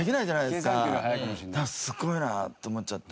すごいなあと思っちゃって。